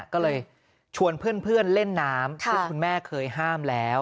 ก็เลยชวนเพื่อนเล่นน้ำซึ่งคุณแม่เคยห้ามแล้ว